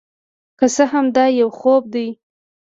که څه هم دا یو خوب دی،